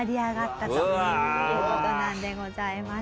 うわ。という事なんでございます。